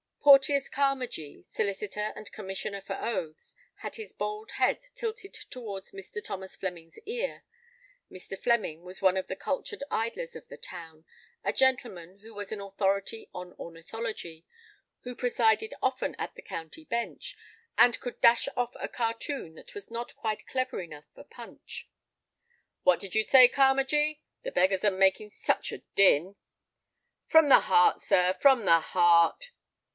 Porteous Carmagee, solicitor and commissioner for oaths, had his bald head tilted towards Mr. Thomas Flemming's ear. Mr. Flemming was one of the cultured idlers of the town, a gentleman who was an authority on ornithology, who presided often at the county bench, and could dash off a cartoon that was not quite clever enough for Punch. "What did you say, Carmagee? The beggars are making such a din—" "From the heart, sir, from the heart."